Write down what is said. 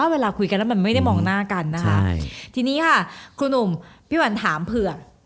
เวลาคุยกันแล้วมันไม่ได้มองหน้ากันนะคะทีนี้ค่ะครูหนุ่มพี่วันถามเผือก